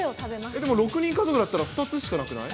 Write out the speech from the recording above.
えっ、でも６人家族だったら、２つしかなくない？